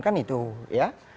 kan itu ya